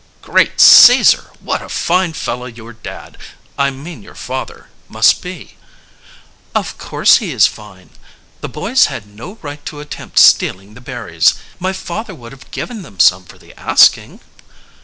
"Great Caesar! What a fine fellow your dad I mean your father must be." "Of course he is fine. The boys had no right to attempt stealing the berries. My father would have given them some for the asking."